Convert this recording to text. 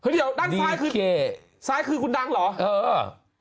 เดี๋ยวด้านซ้ายคือซ้ายคือคุณดังเหรอเออ